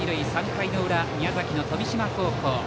３回の裏、宮崎の富島高校。